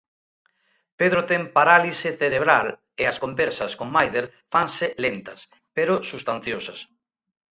Pedro ten parálise cerebral e as conversas con Maider fanse lentas, pero substanciosas.